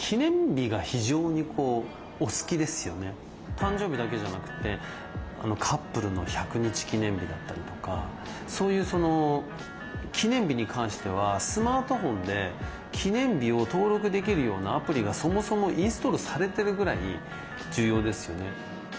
誕生日だけじゃなくてカップルの１００日記念日だったりとかそういうその記念日に関してはスマートフォンで記念日を登録できるようなアプリがそもそもインストールされてるぐらい重要ですよね。